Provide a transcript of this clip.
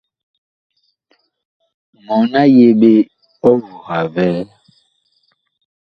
Mɔɔn a yeɓe ɔvuha vɛɛ.